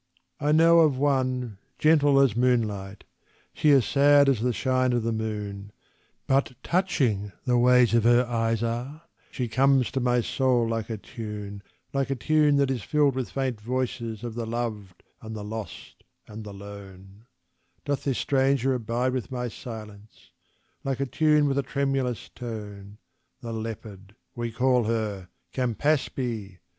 I know of one, gentle as moonlight she is sad as the shine of the moon, But touching the ways of her eyes are: she comes to my soul like a tune Like a tune that is filled with faint voices of the loved and the lost and the lone, Doth this stranger abide with my silence: like a tune with a tremulous tone. The leopard, we call her, Campaspe!